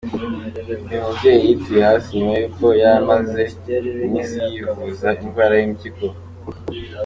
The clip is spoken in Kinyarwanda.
Uyu mubyeyi yituye hasi nyuma y’uko yari amaze iminsi yivuza indwara y’impyiko.